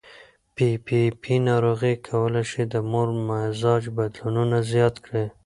پي پي پي ناروغي کولی شي د مور مزاج بدلونونه زیات کړي.